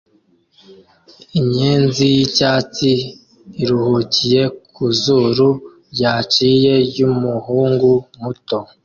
Inyenzi y'icyatsi iruhukiye ku zuru ryacitse ry'umuhungu muto